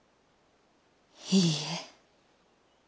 いいえ。